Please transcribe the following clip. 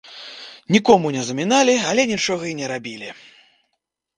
Нікому не заміналі, але нічога й не рабілі.